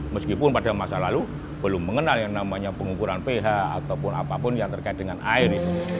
meskipun pada masa lalu belum mengenal yang namanya pengukuran ph ataupun apapun yang terkait dengan air